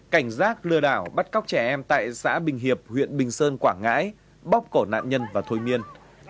cảnh giác lừa đảo bắt cóc trẻ em tại xã bình hiệp huyện bình sơn quảng ngãi bóc cổ nạn nhân và thôi miên